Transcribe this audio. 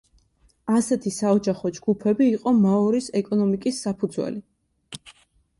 ასეთი საოჯახო ჯგუფები იყო მაორის ეკონომიკის საფუძველი.